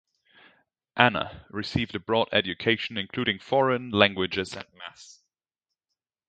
Anna received a broad education, including foreign languages and maths.